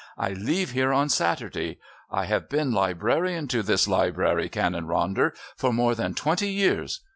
"I leave here on Saturday. I have been librarian to this Library, Canon Ronder, for more than twenty years.